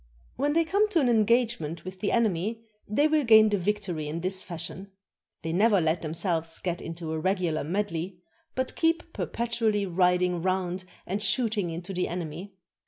When they come to an engagement with the enemy, they will gain the victory in this fashion: They never let themselves get into a regular medley, but keep per petually riding round and shooting into the enemy.